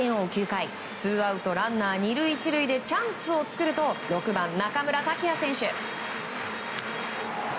９回ツーアウトランナー２塁１塁でチャンスを作ると６番、中村剛也選手。